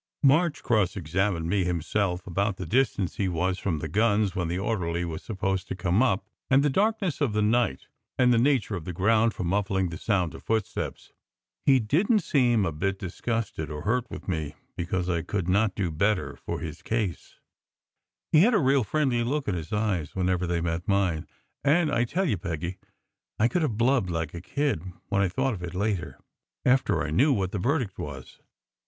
"March cross examined me himself, about the distance he was from the guns when the orderly was supposed to come up; and the darkness of the night; and the nature of the ground for muffling the sound of footsteps. He didn t seem a bit disgusted or hurt with me because I could not do SECRET HISTORY 173 better for his case. He had a real friendly look in his eyes whenever they met mine; and I tell you, Peggy, I could have blubbed like a kid when I thought of it later, after I knew what the verdict was.